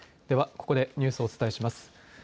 ではここでニュースをお伝えします。